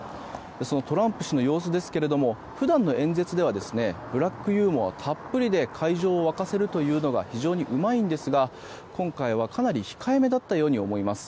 そのトランプ氏の様子ですけども普段の演説ではブラックユーモアたっぷりで会場を沸かせるのが非常にうまいんですが今回はかなり控えめだったように思えます。